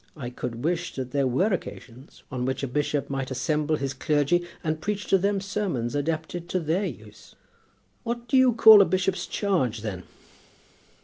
I could wish that there were occasions on which a bishop might assemble his clergy, and preach to them sermons adapted to their use." "What do you call a bishop's charge, then?"